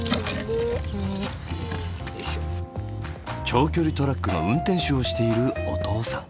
長距離トラックの運転手をしているお父さん。